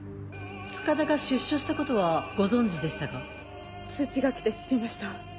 塚田が出所したことはご存じでしたか？通知が来て知りました。